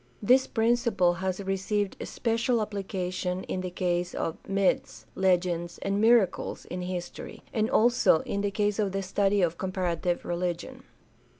This principle has received special application in the case of myths, legends, and miracles in his tory, and also in the case of the study of comparative religion.